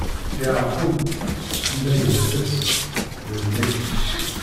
Yeɛqub inna i baba-s: D nekk!